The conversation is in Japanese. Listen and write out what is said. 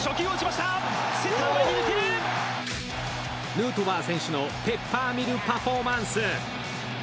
ヌートバー選手のペッパーミルパフォーマンス。